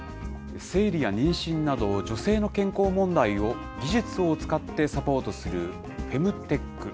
生理や妊娠など、女性の健康問題を技術を使ってサポートするフェムテック。